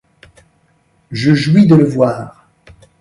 Je jouis de le voir !